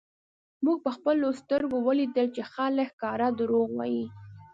مونږ په خپلو سترږو ولیدل چی خلک ښکاره درواغ وایی